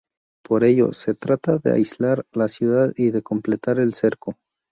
Por ello, se trata de aislar la ciudad y de completar el cerco.